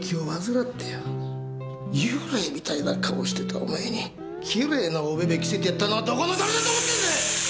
幽霊みたいな顔してたお前に綺麗なおべべ着せてやったのはどこの誰だと思ってんだ！？